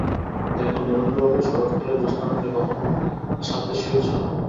দেখো নরেন্দ্রবাবু, শরৎকালের জ্যোৎস্নারাত্রে কখনো ছাতে শুয়েছ?